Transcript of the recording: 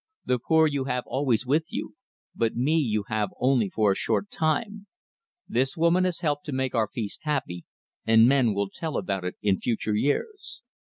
The poor you have always with you, but me you have only for a short time. This woman has helped to make our feast happy, and men will tell about it in future years."